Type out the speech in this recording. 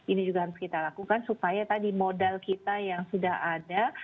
ini juga harus kita lakukan supaya tadi modal kita yang sudah ada